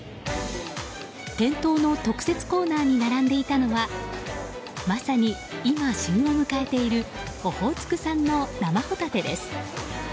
店頭の特設コーナーに並んでいたのはまさに今旬を迎えているオホーツク産の生ホタテです。